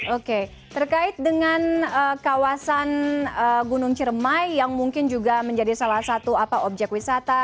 oke terkait dengan kawasan gunung ciremai yang mungkin juga menjadi salah satu objek wisata